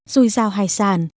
rồi giao hải sản